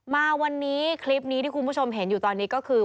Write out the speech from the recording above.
มาวันนี้คลิปนี้ที่คุณผู้ชมเห็นอยู่ตอนนี้ก็คือ